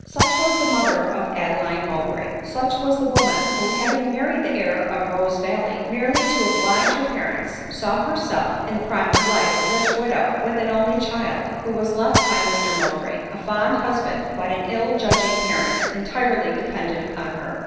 Such was the mother of Apeeine Mowbray ! Such was the woman, who; having married the heir of Rose valley, merely to oblige her parents, saw herself in the prime of life, a rich widow, with an only child, who was left by Mr Mowbray, a fond husband, but an ill judging parent, entirely dependent on her